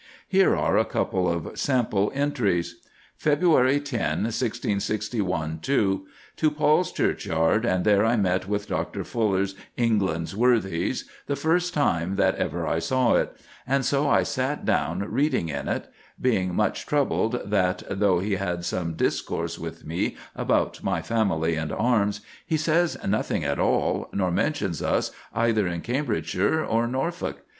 Here are a couple of sample entries:— "Feb. 10, 1661 2. To Paul's Churchyard, and there I met with Dr. Fuller's 'England's Worthys,' the first time that ever I saw it; and so I sat down reading in it; being much troubled that (though he had some discourse with me about my family and arms) he says nothing at all, nor mentions us either in Cambridgeshire or Norfolke.